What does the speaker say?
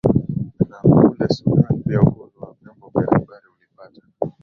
naa kule sudan pia uhuru wa vyombo vya habari ulipata